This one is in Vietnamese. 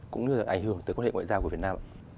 cũng như là ảnh hưởng tới quan hệ ngoại giao của việt nam ạ